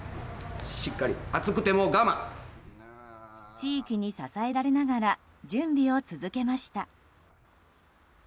地域に支えられながら準備を続けました。